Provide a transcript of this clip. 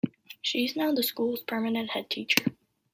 She is now the school's permanent headteacher.